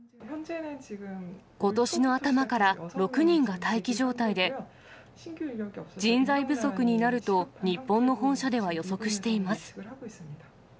ことしの頭から６人が待機状態で、人材不足になると、日本の本社では予測しています。